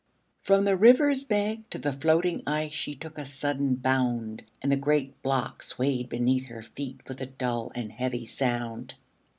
From the river's bank to the floating ice She took a sudden bound, And the great block swayed beneath her feet With a dull and heavy sound.